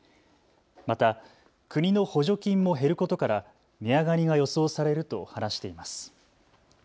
また国の補助金も減ることから値上がりが予想されると話しています。